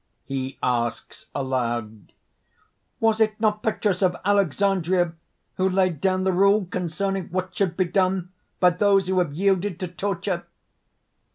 (He asks aloud: ) "Was it not Petrus of Alexandria who laid down the rule concerning what should be done by those who have yielded to torture?"